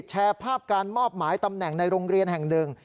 แชร์ภาพการมอบหมายตำแหน่งในโรงเรียนแห่งหนึ่ง